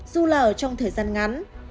dù là ở trong thời gian ngắn